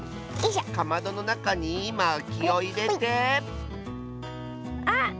かまどのなかにまきをいれてあっ！